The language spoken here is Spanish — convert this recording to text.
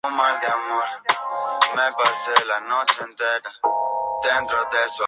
Todas las inflorescencias tienen una sola flor olorosa, blanca ó blanco-verdosa.